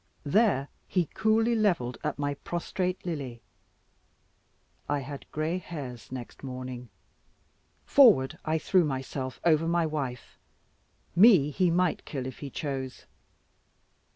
There he coolly levelled at my prostrate Lily. I had grey hairs next morning. Forward, I threw myself, over my wife; me he might kill if he chose.